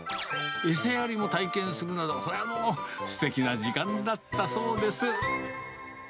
餌やりも体験するなど、これはもう、すてきな時間だったそうです。